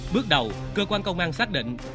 bước đầu cơ quan công an xác định